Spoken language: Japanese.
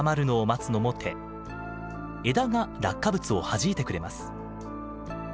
枝が落下物をはじいてくれます。